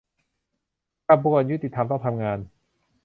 กระบวนยุติธรรมต้องทำงาน